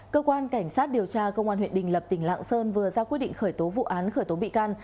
cơ quan cảnh sát điều tra công an huyện đình lập tỉnh lạng sơn vừa ra quyết định khởi tố vụ án khởi tố bị can